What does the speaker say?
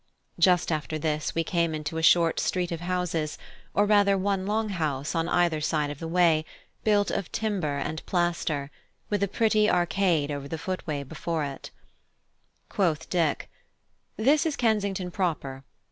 Just after this we came into a short street of houses: or rather, one long house on either side of the way, built of timber and plaster, and with a pretty arcade over the footway before it. Quoth Dick: "This is Kensington proper.